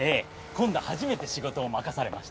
今度初めて仕事を任されました。